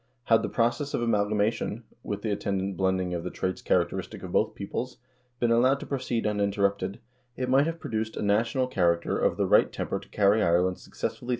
5 Had the process of amalgamation, with the attendant blending of the traits characteristic of both peoples, been allowed to proceed uninterrupted, it might have produced a national character of the right temper to carry Ireland successfully through 1 Topographia Hibernica, diet.